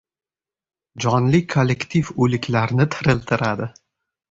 Jonli kollektiv o‘liklarni tiriltiradi.